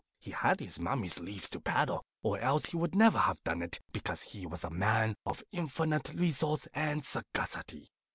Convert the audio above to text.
(He had his mummy's leave to paddle, or else he would never have done it, because he was a man of infinite resource and sagacity.)